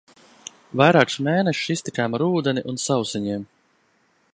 Vairākus mēnešus iztikām ar ūdeni un sausiņiem.